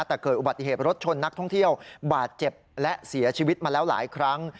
แต่เกิดอุบัติเหตุรถชนนักท่องเที่ยวบาดเจ็บและเสียชีวิตมาแล้วหลายครั้ง